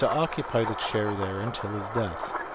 occupy the chair there until his death.